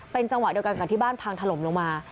จังหวะเดียวกันกับที่บ้านพังถล่มลงมา